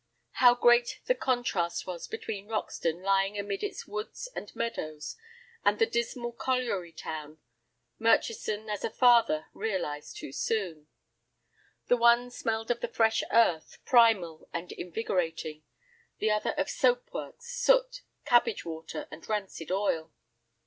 How great the contrast was between Roxton lying amid its woods and meadows, and the dismal colliery town, Murchison, as a father, realized too soon. The one smelled of the fresh earth, primal and invigorating; the other of soap works, soot, cabbage water, and rancid oil.